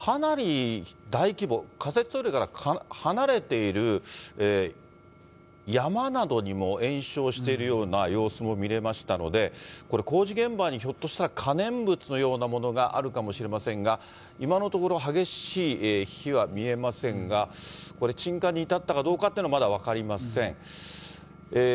ただ、これ、仮設トイレが火元ということになりますと、かなり大規模、仮設トイレから離れている山などにも延焼しているような様子も見れましたので、これ、工事現場にひょっとしたら可燃物のようなものがあるかもしれませんが、今のところ激しい火は見えませんが、これ、鎮火に至ったかどうかというのはまだ分かりません。